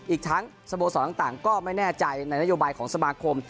อีกทั้งสโมสรต่างก็ไม่แน่ใจในนโยบายของสมาคม